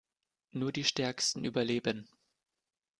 Nur die Stärksten überleben.